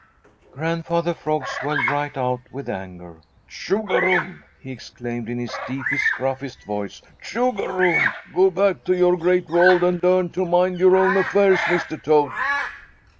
Grandfather Frog swelled right out with anger. "Chugarum!" he exclaimed in his deepest, gruffest voice. "Chugarum! Go back to your Great World and learn to mind your own affairs, Mr. Toad."